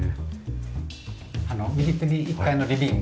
右手に１階のリビング。